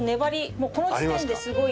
もうこの時点ですごい。